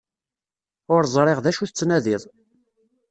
Ur ẓriɣ d acu tettnadiḍ.